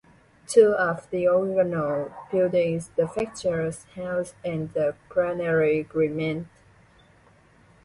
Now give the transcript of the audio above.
Two of the original buildings, the Factor's House, and the Granary remain.